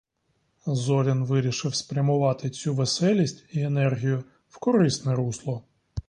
Зорін вирішив спрямувати цю веселість і енергію в корисне русло.